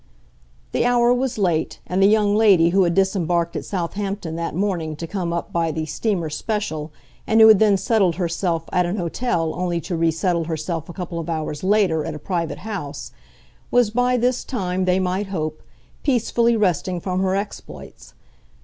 The hour was late, and the young lady who had disembarked at Southampton that morning to come up by the "steamer special," and who had then settled herself at an hotel only to re settle herself a couple of hours later at a private house, was by this time, they might hope, peacefully resting from her exploits.